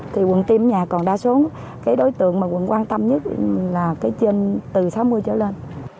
thì quận tiêm nhà còn đa số cái đối tượng mà quận quan tâm nhất là cái trên từ sáu mươi trở lên